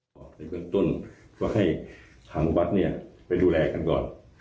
เป็นเบื้องต้นก็ให้ถามบัตรเนี่ยไปดูแลกันก่อน